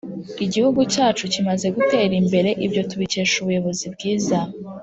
Igihugu cyacu kimaze gutera imbere ibyo tubikesha ubuyobozi bwiza